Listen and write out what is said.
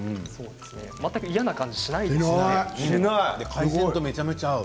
全く嫌な感じがしないですね。